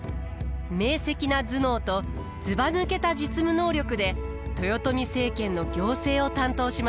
明せきな頭脳とずばぬけた実務能力で豊臣政権の行政を担当しました。